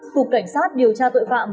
cục cảnh sát điều tra tội phạm